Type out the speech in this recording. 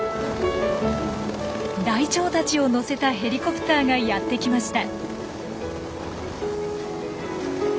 ライチョウたちを乗せたヘリコプターがやって来ました。